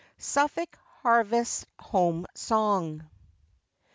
SUFFOLK HARVEST HOME SONG.